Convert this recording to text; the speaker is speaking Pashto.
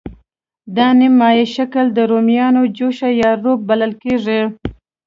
دا نیم مایع شکل د رومیانو جوشه یا روب بلل کېږي.